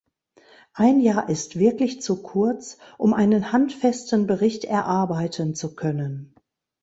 Ein Jahr ist wirklich zu kurz, um einen handfesten Bericht erarbeiten zu können!